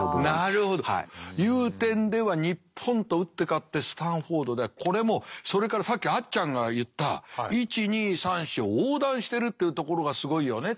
なるほど。という点では日本と打って変わってスタンフォードではこれもそれからさっきあっちゃんが言った１２３４を横断してるっていうところがすごいよねと。